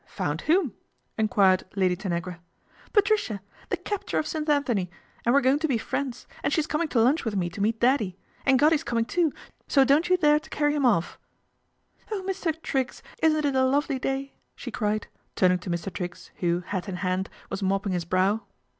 "Found whom?" enquired Lady Tanagra. LADY PEGGY MAKES A FRIEND 251 " Patricia. The captor of St. Anthony, and r e're going to be friends, and she's coming to inch with me to meet Daddy, and Goddy's oming too, so don't you dare to carry him off. )h, Mr. Triggs ! isn't it a lovely day," she cried, urning to Mr. Triggs, who, hat in hand, was lopping his brow.